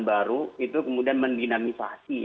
baru itu kemudian mendinamisasi